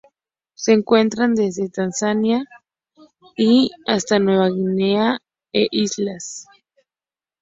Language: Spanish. Se encuentra desde Tanzania y Mozambique hasta Nueva Guinea e Islas Ryukyu.